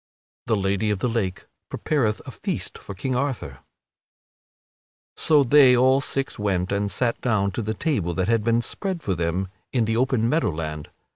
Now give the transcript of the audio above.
[Sidenote: The Lady of the Lake prepareth a feast for King Arthur] So they all six went and sat down to the table that had been spread for them in the open meadow land.